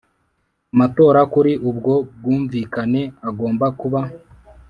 Amatora kuri ubwo bwumvikane agomba kuba